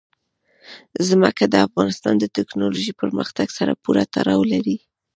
ځمکه د افغانستان د تکنالوژۍ پرمختګ سره پوره تړاو لري.